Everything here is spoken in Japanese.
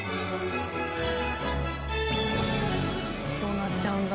どうなっちゃうんだ？